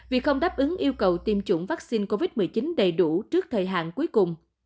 vì không đáp ứng yêu cầu tiêm chủng vaccine covid một mươi chín đầy đủ trước thời hạn cuối cùng